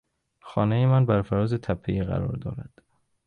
خانهی من بر فراز تپهای قرار دارد.